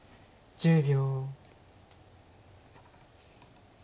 １０秒。